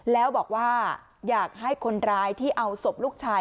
แล้วบอกว่าอยากให้คนร้ายที่เอาศพลูกชาย